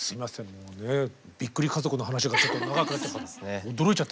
もうねびっくり家族の話がちょっと長くなっちゃった。